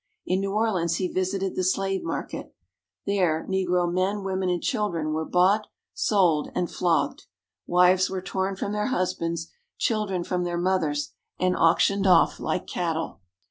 In New Orleans, he visited the slave market. There negro men, women, and children were bought, sold, and flogged. Wives were torn from their husbands, children from their mothers, and auctioned off like cattle.